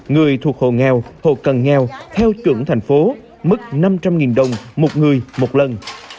người thuộc hộ nghèo hộ cần nghèo theo chuẩn thành phố mức năm trăm linh đồng một người một lần